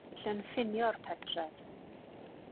Mae ffermydd eraill yn ffinio'r pentref.